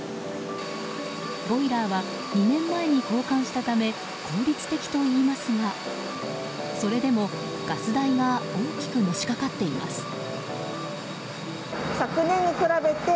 ボイラーは２年前に交換したため効率的といいますがそれでもガス代が大きくのしかかっています。